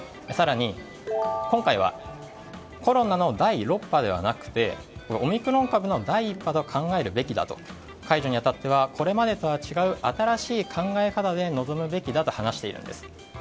更に今回はコロナの第６波ではなくてオミクロン株の第１波だと考えるべきだと解除に当たってはこれまでとは違う新しい考え方で臨むべきだと話しているんです。